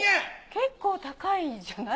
結構高いじゃない。